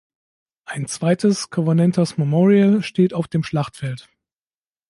Ein zweites Covenanters Memorial steht auf dem Schlachtfeld.